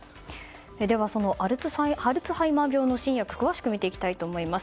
ではそのアルツハイマー病の新薬詳しく見ていきたいと思います。